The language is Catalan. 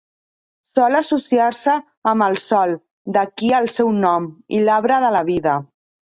Sol associar-se amb el sol, d'aquí el seu nom, i l'arbre de la vida.